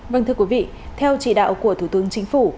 vâng thưa quý vị theo chỉ đạo của thủ tướng chính phủ